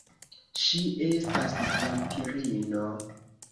Ŝi estas vampirino.